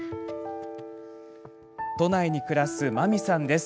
都内に暮らす、まみさんです。